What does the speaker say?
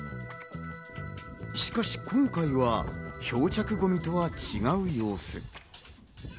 しかし、今回は漂着ごみとは違う様子。